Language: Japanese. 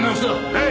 はい！